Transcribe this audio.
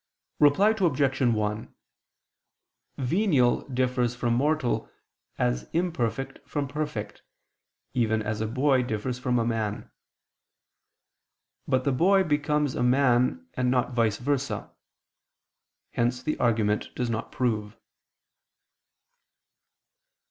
Reply Obj. 1: Venial differs from mortal as imperfect from perfect, even as a boy differs from a man. But the boy becomes a man and not vice versa. Hence the argument does not prove.